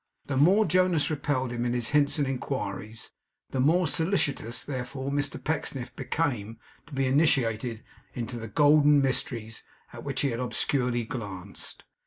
The more Jonas repelled him in his hints and inquiries, the more solicitous, therefore, Mr Pecksniff became to be initiated into the golden mysteries at which he had obscurely glanced.